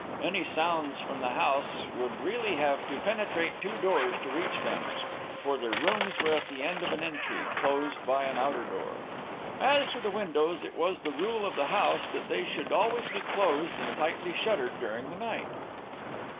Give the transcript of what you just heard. Any sounds from the house would really have to penetrate two doors to reach them, for their rooms were at the end of an entry, closed by an outer door. As to the windows, it was the rule of the house that they should always be closed and tightly shuttered during the night.